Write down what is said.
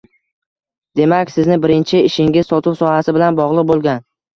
— Demak, sizni birinchi ishingiz sotuv sohasi bilan bogʻliq boʻlgan?